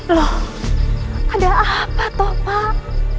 loh ada apa toh pak